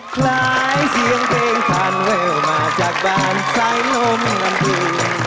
หลายเสียงเพลงทานเวลมาจากบ้านทรายลมน้ำพื้น